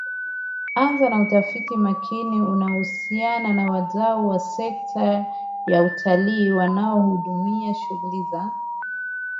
Anza na utafiti makini unaohusiana na wadau wa sekta ya utalii wanaohudumia shughuli za